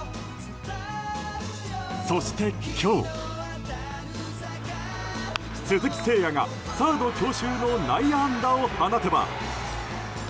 そして今日鈴木誠也がサード強襲の内野安打を放てば。